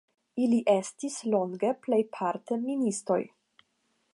Ili estis longe plejparte ministoj.